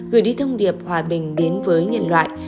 gửi đi thông điệp hòa bình đến với nhân loại